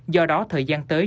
do đó thời gian tới